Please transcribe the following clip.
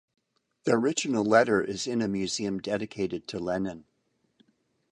The original letter is in a museum dedicated to Lenin.